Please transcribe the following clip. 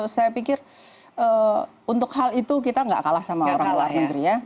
saya pikir untuk hal itu kita nggak kalah sama orang luar negeri ya